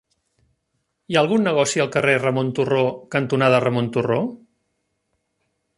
Hi ha algun negoci al carrer Ramon Turró cantonada Ramon Turró?